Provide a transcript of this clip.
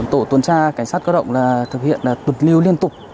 tổ tuần tra cảnh sát cơ động thực hiện cực lưu liên tục